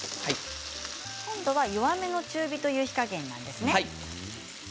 今度は弱めの中火という火加減ですね。